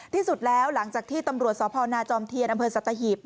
ที่สุดแล้วหลังจากที่ตำรวจสพนาจอมเทียนอำเภอสัตหีบ